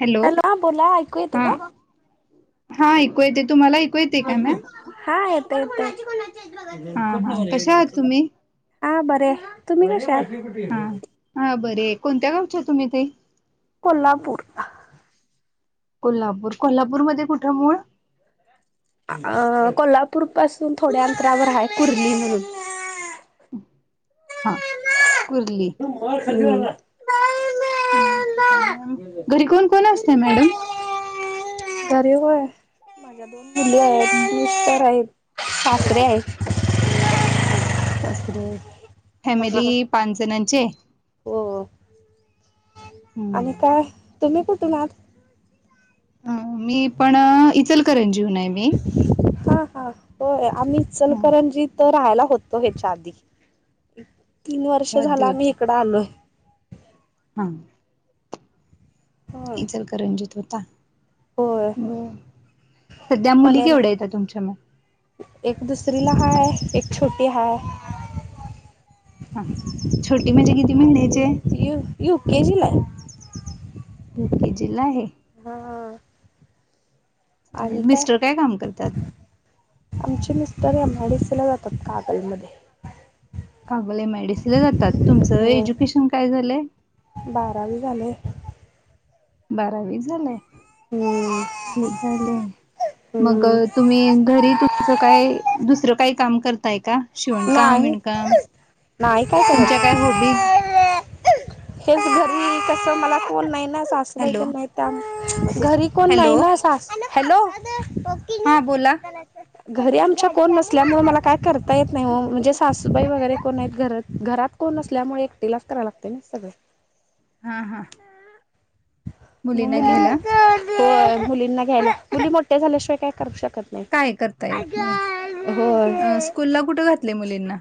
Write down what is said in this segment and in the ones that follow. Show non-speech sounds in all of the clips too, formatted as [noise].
Hello hello बोला ऐकू येतय हा काय? हा ऐकू येते तुम्हाला ऐकू येते काय मॅम हा येते कशा आहात तुम्ही हा बरीय तुम्ही कशा आहात? [unintelligible] बरीय कोणत्या गावच्या तुम्ही तई कोल्हापूर. कोल्हापूर कोल्हापूरमध्ये कुठं मूळ अ कोल्हापूर पासून थोड्या अंतरावर हाय कुर्ली म्हणून हा कुर्ली. तू मार खातीस आता न्हय. ह ठीकय मग घरी कोण कोण असतय मॅडम. घरीे होय माझ्या दोन मुली हायत मिस्टर हायत. सासरे हाइत. सासरे फॅमिली पाच जणांची हाय. हो आणि काय तुम्ही कुठून आहात. मी पण इचलकरंजीहून हाय मी. हा हा होय आम्ही हा इचलकरंजीत राहायला होतो ह्याच्या आधी तीन वर्ष अच्छा झाल आधी आम्ही होता इकडं आलोय हा ह इचलकरंजित होता होय ब सध्या मुली पणेल केवढ्या आहेत तुमच्या म ला हाय है एक छोटी हाय हा छोटी म्हणजे किती महिन्याची ये य यू के जिला ये. युकेजिला आहेत. चालेल मिस्टर काय काम करतात? आमचे मिस्टर एमआयडीसी ला जातात कागलमध्ये. कागल एमआयडीसीला जातात. तुमचं हो एज्युकेशन काय झालंय बारावी झाले बारावी झालंय हम् चांगल, चांगलं मग हम्म तुम्ही घरी तुमच काय दुसरं काय? काम करताय का? शिवणकाम नाही विणकाम नाही काय करत. तुमच्या हॉबीज? हेच घरी काय. अस मला कोण नाही ना सासुबाई हॅलो त नाही घरी कोण नाही हॅलो ना सास हॅलो हा बोला [unintelligible] घरी आमच्या कोण नसल्यामुळे मला काय करता येत नाही ओ म्हणजे सासूबाई वगैरे कोण नाहीत घर घरात कोण असल्यामुळे एकटिलाच कराय लागते ना सगळं. हा हा. मग मुलींना घ्यायला मुली होय मुलींना घ्यायला मुली मोठ्या झाल्याशिवाय काय करू शकत. काय करता येत नाही. अ होय स्कूलला कुठं घातलय मुलींना?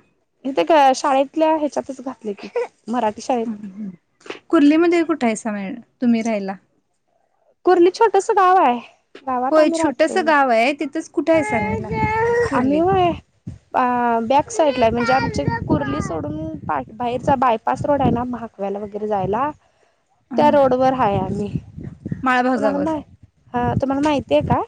[unintelligible] ते काय शाळेतल्या ह्याच्यातच घातले की. मराठी शाळेत कुर्लीमध्ये कुठे आहे, सा मॅडम तुम्ही राहायला. कुर्ली छोटस गाव आहे, गावात होय आम्ही छोटस राहतो. गाव आहे तिथंच कुठे आहे सरायला आम्ही कुर्लीत होय आ बॅक. साईड ला आहे, म्हणजे आमचे कुर्ली सोडून पा बाहेरचा बायपास रोड आहे, ना भाकव्याला वगैरे जायला. त्या ह रोड वर हाय आम्ही माळभागावर तुम्हाला माहती आहे का.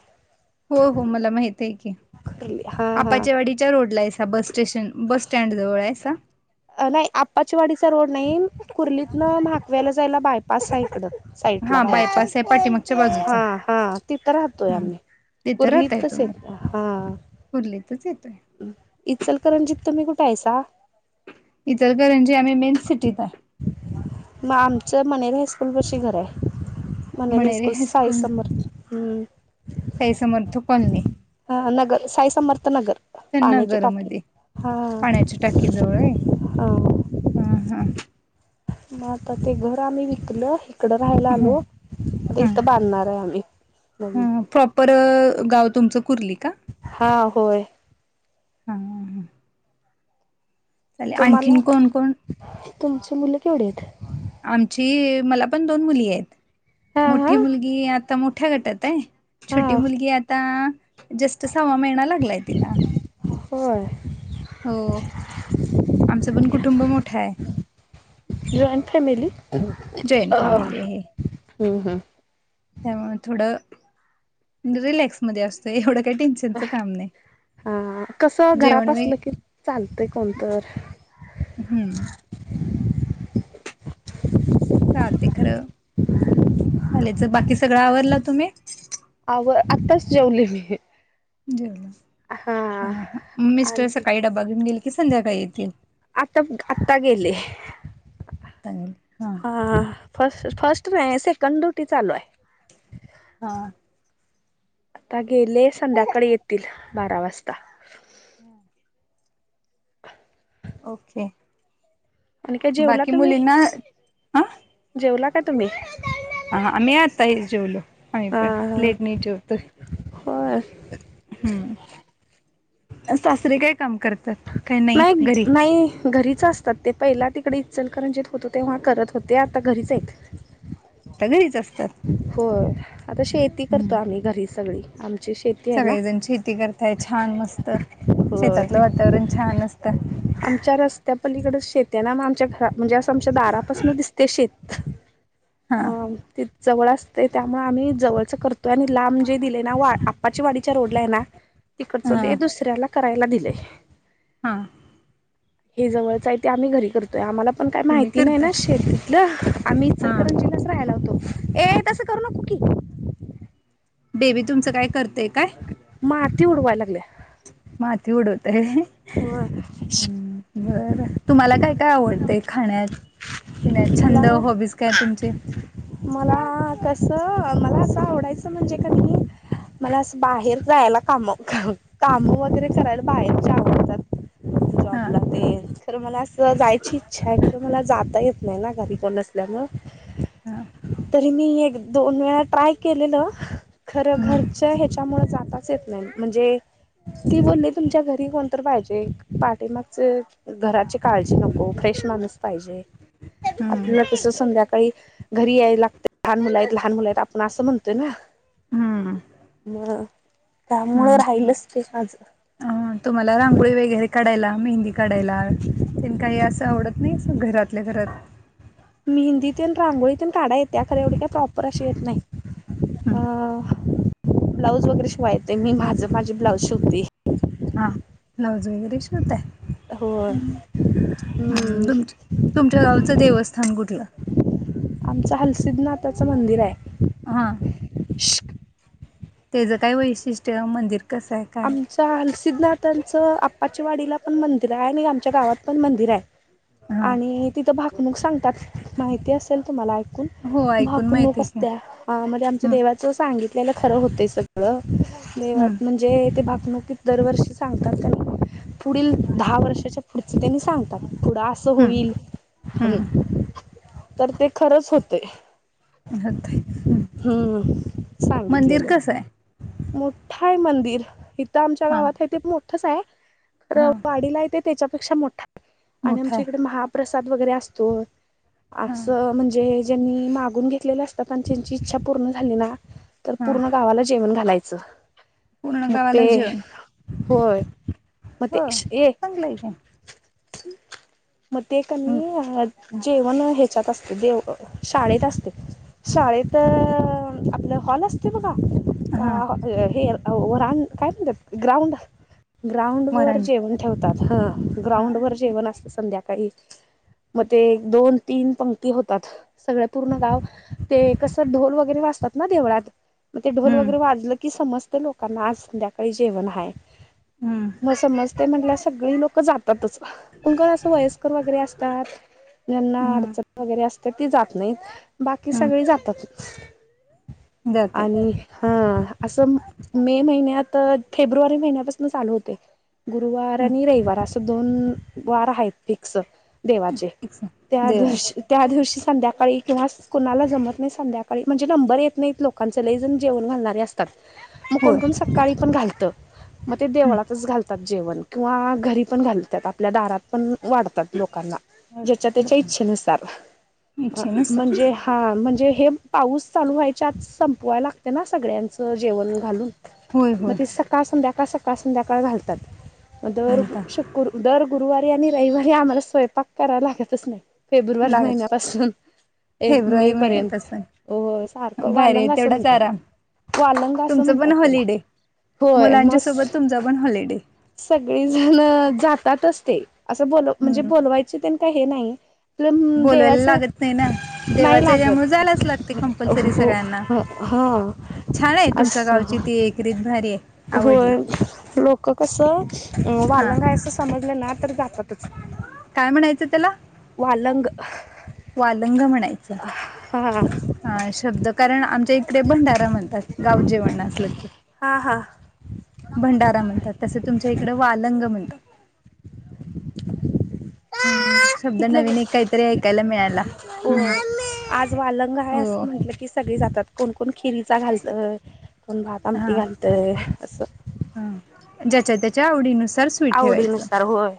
हो हो मला माहित आहे की, कुर्ली हा आपच्या हा वाडीच्या रोडला आहे. बस स्टेशन बस स्टँड जवळ आहेसा. नाही आप्पाचीवाडीचा रोड नाही कुर्लीतन म्हहाकव्याला जायला बायपास आहे इकडं. साईड ला हा बायपास आहे पाठीमागच्या बाहेरच्या बाजूचा हा हा तिथं राहतोय हम्म आम्ही. तिथं राहताय कुर्लीतच तुम्ही येत हा. कुर्लीतच येतोय इचलकरंजीत तुम्ही कुठे आहेसा. इचलकरंजीत आम्ही मेन सिटीत आहे. मग आमचं मनरे हायस्कूल पशी घर आहे. मनेरी हायस्कूल साई समर्थ हम. साई समर्थ कॉलनी हा नगर साई समर्थ नगर. पाण्याची चन्नागर टाकी मध्ये हा. पाण्याच्या टाकीजवळ आहे हा हा हा मग आता ते घर आम्ही विकल. इकड राहायला ह आलो तर ह इथं बांधणार आहे, आम्ही नवीन. ह प्रॉपर गाव तुमचं कुर्ली का. हा होय. हा. चालेल तुम्हाला आणखीन कोण कोण तुमची मुलं केवढी आहेत. आमची मला पण दोन मुली आहेत हां मोठी हां मुलगी आ आ मोठ्या गटात आहे छोटी हां मुलगी आता जस्टच. सव्वा महिना लागलाय तिला. होय हो आमचं पण कुटुंब मोठं आहे. जॉईन फॅमिली अ जॉईंट ह फॅमिली आहे. हम हम. त्यामुळे थोडं रिलॅक्स मध्ये असतं एवढं काही टेन्शनचं काम नाही. हा कसं जेवण वे घरापसलं की चालतंय कोणतर हम्म. चालते खरं चालायचं बाकी सगळं आवरला तुम्ही. आव आत्ताच जेवले मी. जेवला हां हा मग मिस्टर आणि सकाळी ड्बा घेऊन गेले. हे संध्याकाळ येतील. आता आता गेले तग हा. फर्स्ट फर्स्ट नाही सेकंड ड्युटी चालू आहे. हा. आता गेले संध्याकाळी येतील बारा वाजता. [inaudible] ओके. आणि काय जेवला बाकी तुम्ही? मुलींना हा जेवला का तुम्ह हा आम्ही आता जेवलो. आम्ही हा पण हा लेट नाहीच जेवतोय. होय हम्म सासरी काय काम कर नाही नाही घरीच असते. तर ते पहिला तिकडे इचलकरंजी ज होत तेव्हा करत होते आता घरीच आहेत - आता घरीच असतात. आता शेती करतो हम्म आम्ही घरी सगळी आम्ही. सगळेजण शेती करताय छान मस्त होय शेतातलं वातावरण छान असत. आमच्या रस्त्यापलीकड शेत आहे ना आमच्या घरा म्हणजे अस आमच्या दारापासून दिसते शेत हा म ति जवळ असते त्यामुळे आम्ही जवळच करतोय आणि लांब दि ना आप वाडीच्या रोडलाय ना तिकडच हा दे दुसऱ्याला करायला दिलेय हा हे जवळच आहे ते आम्ही घरी करतोय आम्हाला पण काही तुम्ही माहिती नाही ना करताय शेतीतलं आम्ही हा इचलकरंजीच राहायला होतो. ए तसं करू नको की. बेबी तुमचं काय करतेय काय? माती उडवायला लागले. माती उडवतो हाह हम्म बरं तुम्हाला काय काय आवडतंय खाण्यात? बी नाही मला छंद, हॉबीज काय तुमचे? मला कसं मला असं आवडायचं म्हणजे कनी मला असं बाहेर जायला काम, काम वगैरे करायला बाहेर आव हा लातेर तर मला असं जायची इच्छा आहे तर मला जाता येत नाही ना घरी कोण नसल्यामळ हा तरी मी एक दोन वेळा ट्राय केलेलं खरं हम्म घरच्या ह्याच्या मुळ जाताच येत नाही म्हणजे ती बोलली तुमच्या घरी कोण तर पाहिजे पाठीमाग घराची काळजी नको फ्रेश माणूस पाहिजे हम्म आपल्याला कस संध्याकाळी घरी यायला लागत लहान मुला आहेत लहान मुला आहेत आपण असं म्हणतोय ना हम्म म त्यामुळं हम्म राहिलच ते माझं अ तुम्हाला रांगोळी वगैरे काढायला, मेहंदी काढायला त्यां काही असं आवडत नाही घरातल्या घरात मेहंदीतून रांगोळीतून काढा येते खरं एवढी काही प्रॉपर अशी येत नाही. हं अ ब्लाऊज वगैरे शिवायचंय मी माझं माझे ब्लाऊज शिवते... हा ब्लाउज वगैरे शिवताय... हो... हम्म तुम तुमच्या गावचं देवस्थान कुठलं... आमच हलसिद्धनाथाचं मंदिर आहे... हा.. त्याचं काय वैशिष्ट्य मंदिर... कसं आहे काय? आमचा.. हलसिद्धनाथांच आप्पाच्या वाडीला पण मंदिर आहे आणि आमच्या गावात पण मंदिर आहे... हां आणि तिथं भाकणूक सांगतात माहिती असेल तुम्हाला... हो ऐकून माहित भाकणूक आहे की. असत्या म्हणजे आमच्या हं देवाचं सांगितलेलं खरं होतं सगळं... ते वा हं म्हणज.. भाकणुकीत दरवर्षी सांगतात आणि पुढील दहा वर्षाच्या पुढचे त्यांनी सांगतात.. पुढं असं हं होईल ह हं तर ते खरंच होते... होतंय हं हम्म मंदिर सांगितलेलं... कसं आहे? मोठा आहे मंदिर इथं आमच्या हां गावात आहे ते मोठंच आहे खंर हां वाडीला आहे ते.. त्याच्यापेक्षा मोठा आणि मोठं आमच्या आहे इकडे महाप्रसाद वगैरे असतो. हां असं म्हणजे ज्यांनी मागून घेतलेलं असतात. आणि त्यांची इच्छा पूर्ण झाली ना? तर हां पूर्ण गावाला जेवण घालायचं. पूर्ण मग ते गावाला जेवण होय. मे हो ये चांगलं आहे की. मे हं कनी... जेवण ह्याच्यात असते. देव शाळेत असते. शाळेत... आपलं हॉल असते बघा. हां हे काय म्हणतात ग्राउंड... ग्राउंड वर वरण जेवण ठेवतात ह ग्राउंड हां वर जेवण असतं संध्याकाळी.... मग ते दोन तीन पंक्ती होतात. सगळ पूर्ण गाव ते कसं ढोल वगैरे... असतात ना देवळात. मग ते ढोल हम्म वगैरे वाजलं की समस्त लोकांना आज संध्याकाळी जेवण आहे.... हम्म मग समज ते म्हटलं सगळी लोक जातात.... पण का असं वयस्कर वगैरे असतात ज्यांना हम्म अडचण वगैरे असतात. तर ती जात नाही बाकी हम्म सगळी जातात... जातात आणि हा... असं मे महिन्यात फेब्रुवारी महिन्यापासून चालू होते. गुरुवार हम्म आणि रविवार.... द वार आहेतिक देवाचे. त्या देवाचे दिवशी त्या दिवशी... संध्याकाळी किंवा कुणाला जमत नाही. संध्याकाळी म्हणजे नंबर येत नाही लोकांच लई जण जेवण घालणारे असत.... मग होय कोणकोण सकाळी पण घालत मग ते हम्म देवळातच घालतात. जेवण किंवा घरी पण घालतात. आपल्या दारात पण.. वाढतात लोकांना ज्याच्या अर्थात त्याच्या लोकांना इच्छेनुसार.... इच्छेनुसार म्हणजे, हा म्हणजे हे पाऊस चालू व्हायचे आज संपवायला लागते ना सगळ्यांच.... जेवण घालून. होय मग होय ते सकाळ संध्याकाळ सकाळ संध्याकाळ घालतात... मग दर चालतात शुक दर गुरुवारी आणि रविवारी आम्हाला स्वयंपाक करावा लागतच नाही... फेब्रुवारी लागत महिन्यापासून... एक मे फेब्रुवारी पर्यंत महिन्यापासून सारखं भारी आहे वालंग असं तेवढाच म्हणतात... आराम वालंग असं तुमचं म्हणतात पण त्याला.... हॉलिडे होय मुलांच्या सोबत तुमचा मस्त पण हॉलिडे सगळीजण... जातातच असते. असं ब म्हणजे हम्म बोलवायचे त्यां का हे नाही... आप बोलवायला देवाच लागत नाही ना नाही देवाच्या याच्यामुळे लागत जायलाच लागते कंपल्सरी हो... सगळ्यांना हा.... छान आहे. तुमच्या असं गावची ती एकरीत भा.. होय लोक कसं हा वालंगाय असं समजलं ना तर जातातच.... काय म्हणायचं त्याला? वालंग वालंग म्हणायचं हा अ शब्द कारण आमच्या इ कडे भंडारा म्हणतात गाव जेवण असलं की. हा हा. भंडारा म्हणतात तसं तुमच्या इकडे वालंग म्हणतात. हम्म शब्द तिथलं गे नवीन एक काहीतरी ऐकायला मिळायला. हो आज वालंग आहे, हो असं म्हटलं की सगळे जातात. कोण कोण खिरीचा घालतय कोण भात, आमटी हां घालतय तसं. च्या आवडीनु आवडीनुसार होय,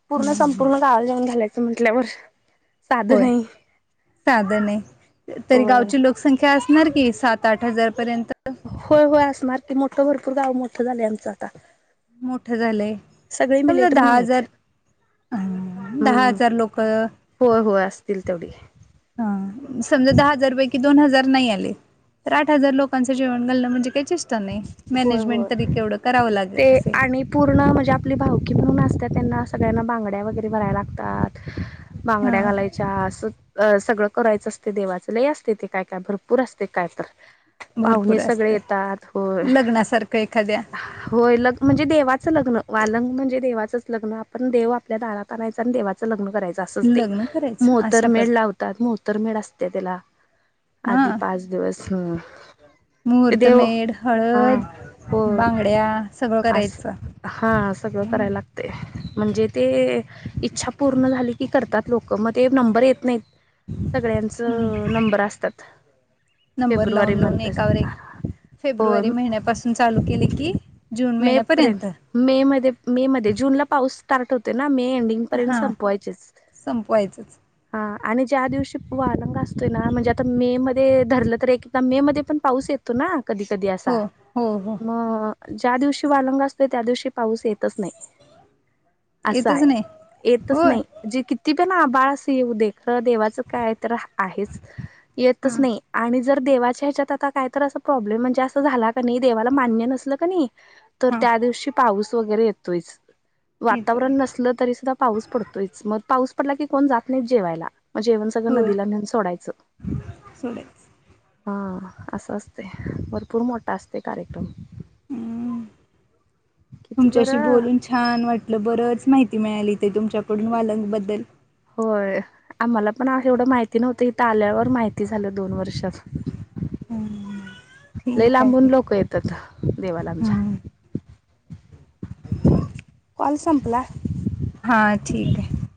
हम्म हम्म पूर्ण-संपूर्ण गावा जाऊन घालायचं म्हंटल्यावर होय सादं नाही, हो तरी गावची लोकसंख्या अस नार की सात-आठ हजार पर्यंत. होय-होय असणार की, मोठ भरपूर गाव मोठं झालंय आमचं आता. मोठं झालंय सगळे समजा मिलिटरी दहा म्हण आहेत. हजार अं, दहा हम्म हजार लोक होय होय असतील तेवढी. हा समजा दहा हजारपैकी दोन हजार नाही आले तर आठ हजार लोकांच जेवण घालण म्हणजे कैचीश होय होय ते लागत असेल आणि पूर्ण म्हणजे आपली भावकी म्हणून असते त्यांना सगळ्यांना बांगड्या वगैरे भराय लागतात हा बांगड्या घालायच्या अस अ सगळं करायचं असते देवाचं लय असते ते काय काय भरपूर असते कायतर. पाहुणे भरपूर सगळे असते येतात होय. लग्नासारखं एखाद्या होय लग् म्हणजे देवाचा लग्न वालंग म्हणजे देवाचाच लग्न आपण देव आपल्या दारात आणायचं आणि देवाचा लग्न करायचा असच ते लग्न करायचं अशा प्र मोहतरमेढ लावतात मोहतरमेढ असते त्याला आधी पाच दिवस हम्म. ते महूर्त देव मेढ, हळद हळद, बांगड्या सगळं अस करायचं हा सगळं हम्म करायला लागतंय म्हणजे ते इच्छा पूर्ण झालं की करतात लोकं मग ते नंबर येत नाहीत, सगळ्यांच हम्म नंबर असतात. नंबर फेब्रुवारी लावून लावून [unintelligible] असत एकावर का एक हो फेब्रुवारी महिन्यापासून चालू केले की जून मे पर्यंत, महिन्यापर्यंत मे मध्ये मे मध्ये जूनला पाऊस स्टार्ट होते ना, मी एंडिंग पर्यंत हा संपवायचेच. संपवायचंच आणि ज्या दिवशी वारंग असतोय ना, म्हणजे आता मे मध्ये धरलं तर एकदा मे मध्ये पण पाऊस येतो ना? कधी कधी असा हम हम मग ज्या दिवशी वालंग असतो त्या दिवशी पाऊस ये तसं नाही, असंय येतच नाही येतच होय नाही जे किती ना आ बाळ अस येऊ दे, खरं देवाचं काय तर आहेच येतच हां नाही आणि जर देवाच्या ह्याच्यात आता काय तर अस प्रॉब्लेम म्हणजे असं झाला नाही देवाला मान्य नसेल का नाही तर हां त्या दिवशी पाऊस वगैरे येतोयच. येतोय वातावरण नसलं तरी सुद्धा पाऊस पडतोयच, मग पाऊस पडला की कोण जात नाही जेवायला. मग जेवण सगळं होय नदीला नेऊन सोडायचं. सोडायच हा असं असतंय, भरपूर मोठा असतो कार्यक्रम. हम् किती तुमच्याशी बरं बोलून छान वाटलं बरंच माहि मिळाली ते तुमच्याकडून वालंग बद्दल होय, आम्हाला पण एवढं माहिती नव्हतं इथं आल्यावर माहिती झालं दोन वर्षात. हम लई लांबून लोकं येतात, देवाला आमच्या. हां [unintelligible] कॉल संपला. हा ठीक आहे.